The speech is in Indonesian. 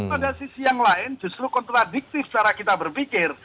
pada sisi yang lain justru kontradiktif cara kita berpikir